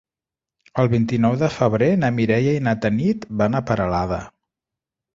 El vint-i-nou de febrer na Mireia i na Tanit van a Peralada.